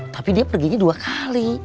tapi dia perginya dua kali